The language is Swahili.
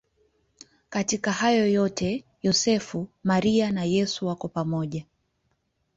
Katika hayo yote Yosefu, Maria na Yesu wako pamoja.